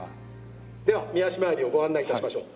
では御足参りをご案内致しましょう。